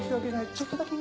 ちょっとだけ。